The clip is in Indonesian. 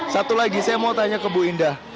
satu lagi saya mau tanya ke bu indah